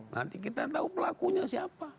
nanti kita tahu pelakunya siapa